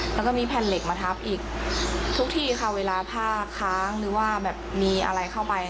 แล้วก็มีแผ่นเหล็กมาทับอีกทุกทีค่ะเวลาผ้าค้างหรือว่าแบบมีอะไรเข้าไป